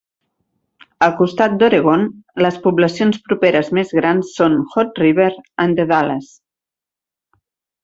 Al costat d'Oregon, les poblacions properes més grans són Hood River i The Dalles.